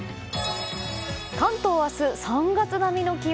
関東明日、３月並みの気温。